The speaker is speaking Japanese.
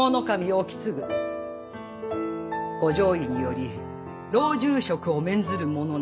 意次ご上意により老中職を免ずるものなり。